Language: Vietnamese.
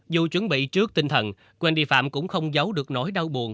dù chuẩn bị trước tinh thần wendy phạm cũng không giấu được nỗi đau buồn